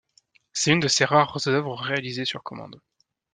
C'est une de ses rares œuvres réalisées sur commande.